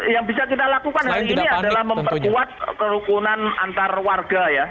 yang bisa kita lakukan hari ini adalah memperkuat kerukunan antar warga ya